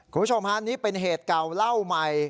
คุณผู้ชมครับอันนี้เป็นเหตุเก่าเล่าใหม่